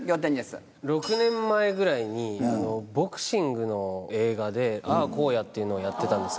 ６年前ぐらいにボクシングの映画で『あゝ、荒野』というのやってたんです。